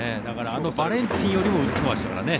あのバレンティンよりも打ってましたからね。